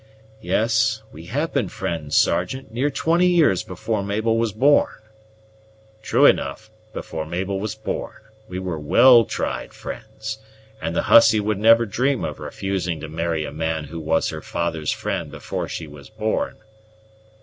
"Yes, we have been friends, Sergeant, near twenty years before Mabel was born." "True enough; before Mabel was born, we were well tried friends; and the hussy would never dream of refusing to marry a man who was her father's friend before she was born."